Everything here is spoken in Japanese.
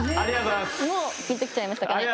もうぴんときちゃいましたかね。